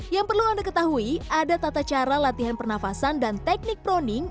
yang perlu anda ketahui ada tata cara latihan pernafasan dan teknik proning